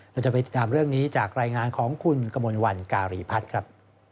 เราจะไปติดตามเรื่องนี้จากรายงานของคุณกมลวันการีพัฒน์ครับ